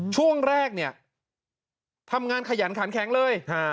ช่วงแรกเนี่ยทำงานขยันขันแข็งเลย